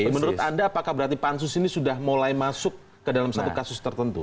tapi menurut anda apakah berarti pansus ini sudah mulai masuk ke dalam satu kasus tertentu